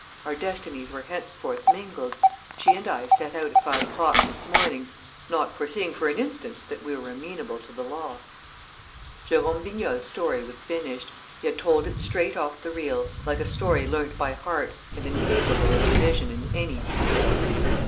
Our destinies were henceforth mingled. She and I set out at five o'clock this morning ... not foreseeing for an instant that we were amenable to the law." Jérôme Vignal's story was finished. He had told it straight off the reel, like a story learnt by heart and incapable of revision in any detail.